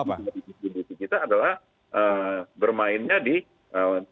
spekulankah itu itu kita adalah bermainnya di level pedagang